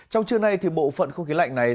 trong trưa nay thì bộ phận không khí lạnh này